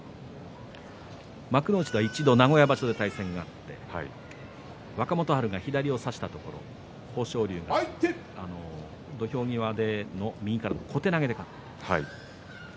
幕内では一度名古屋場所で対戦があって、若元春が左を差したところ豊昇龍が土俵際で右からの小手投げで勝っています。